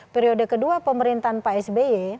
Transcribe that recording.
periode kedua pemerintahan psby